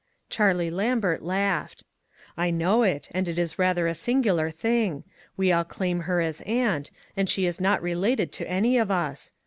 Charlie Lambert laughed. "I know it; and it is rather a singular thing. We all clain her as aunt, and she is not related to any of us.